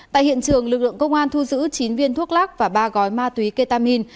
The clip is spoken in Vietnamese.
tại hiện trường lực lượng công an thu giữ chín viên thuốc lắc và ba gói ma túy ketamin